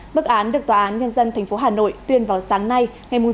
bức án được tòa án nhân dân tp hà nội tuyên vào sáng nay ngày chín tháng